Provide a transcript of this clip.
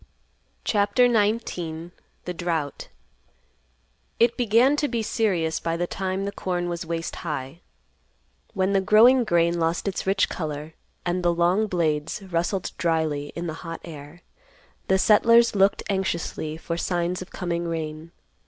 CHAPTER XIX. THE DROUGHT. It began to be serious by the time corn was waist high. When the growing grain lost its rich color and the long blades rustled dryly in the hot air, the settlers looked anxiously for signs of coming rain.